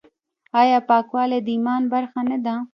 آیا پاکوالی د ایمان برخه نه ده؟